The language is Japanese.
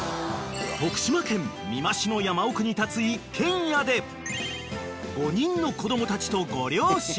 ［徳島県美馬市の山奥に立つ一軒家で５人の子供たちとご両親］